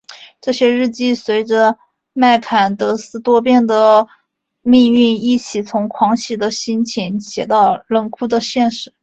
这些日记随着麦坎德斯多变的命运一起从狂喜的心情写到冷酷的现实。